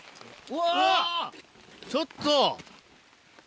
うわちょっと！